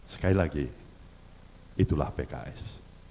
sekali lagi itulah pks